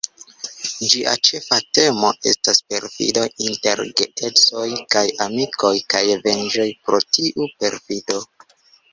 Ĝia ĉefa temo estas perfido inter geedzoj kaj amikoj kaj venĝo pro tiu perfido.